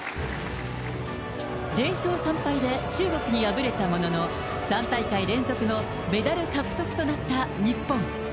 ０勝３敗で中国に敗れたものの、３大会連続のメダル獲得となった日本。